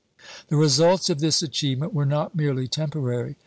The results of this achievement were not merely temporary.